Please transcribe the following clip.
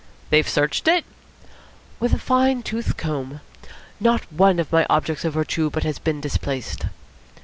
"They've searched it?" "With a fine toothed comb. Not one of my objects of vertu but has been displaced."